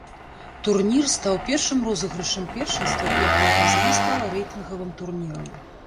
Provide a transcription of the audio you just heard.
Турнір стаў першым розыгрышам першынства, якое пазней стала рэйтынгавым турнірам.